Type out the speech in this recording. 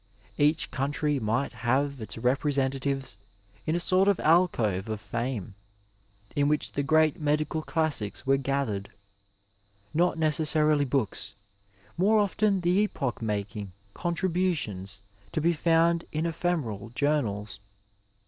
Each country might have its representatives in a sort of alcove of Fame, in which the great medical classics were gathered Not necessarily books, more often the epoch making con tributions to be found in ephemeral journals.